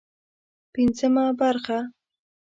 پنځمه برخه